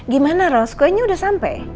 gimana ros kuenya udah sampe